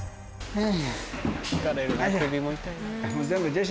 うん。